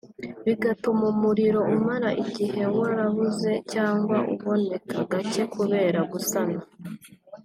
bigatuma umuriro umara igihe warabuze cyangwa uboneka gake kubera gusana”